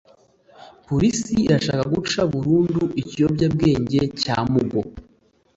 polisi irashaka guca burundu ikiyobyabwenge cya mugo